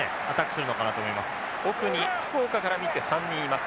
奥に福岡から見て３人います。